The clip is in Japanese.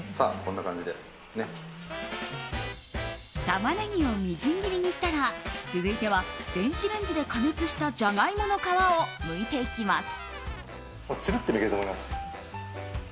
タマネギをみじん切りにしたら続いては電子レンジで加熱したジャガイモの皮をむいていきます。